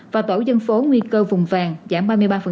và tổ dân phố nguy cơ vùng vàng giảm ba mươi ba